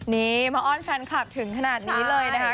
นี่มาอ้อนแฟนคลับถึงขนาดนี้เลยนะคะ